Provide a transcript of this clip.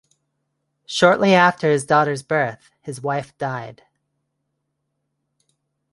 Shortly after his daughter's birth, his wife died.